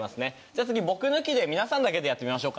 じゃあ次僕抜きで皆さんだけでやってみましょうか。